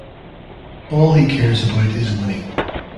All he cares about is winning.